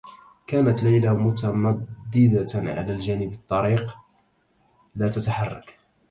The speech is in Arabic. كانت ليلى متمدّدة على الجانب الطّريق، لا تتحرّك.